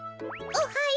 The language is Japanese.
おはよ。